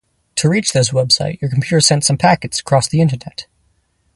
To reach this website, your computer sent some packets across the Internet.